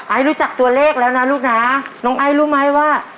รู้จักตัวเลขแล้วนะลูกนะน้องไอ้รู้ไหมว่า